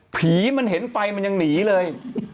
ผีมันเห็นไฟมันยังหนีเลย